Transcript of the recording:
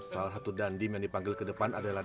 salah satu dandim yang dipanggil ke depan adalah